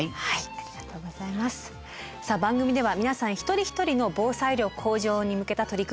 さあ番組では皆さん一人一人の防災力向上に向けた取り組み